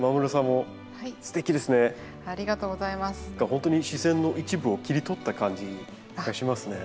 ほんとに自然の一部を切り取った感じがしますね。